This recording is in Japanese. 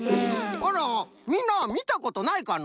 あらみんなみたことないかの？